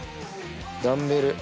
ダンベル。